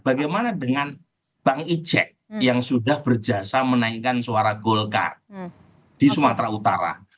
bagaimana dengan bang ijek yang sudah berjasa menaikkan suara golkar di sumatera utara